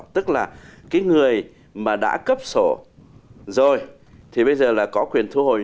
tức là cái người mà đã cấp sổ rồi thì bây giờ là có quyền thu hồi